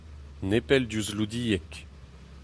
Nepell diouzh Loudieg.